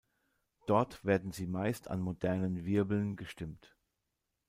Dort werden sie meist an modernen Wirbeln gestimmt.